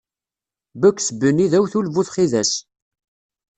Bugs Bunny d awtul bu txidas.